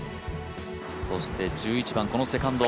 そして１１番、このセカンド。